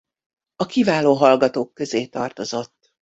A kiváló hallgatók közé tartozott.